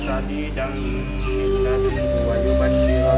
ก็๖โมงอีกครึ่งก็จะมารอลามาสอมมักลิรษอะไรเลย